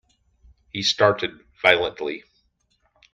He started violently.